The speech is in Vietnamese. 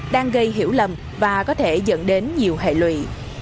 đang gây hiểu lầm và có thể dẫn đến nhiều hệ lụy